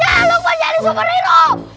yaa lukman jadi super hero